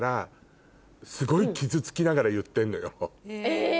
え！